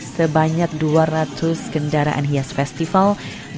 sebanyak dua ratus kendaraan hias festival